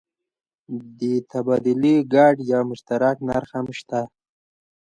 د تبادلې ګډ یا مشترک نرخ هم شته.